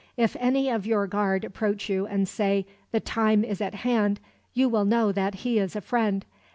If any of your guard approach you and say, 'The time is at hand,' you will know that he is a friend.